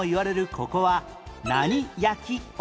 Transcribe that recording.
ここは何焼温泉？